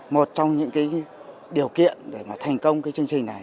một trong những cái điều kiện để mà thành công cái chương trình này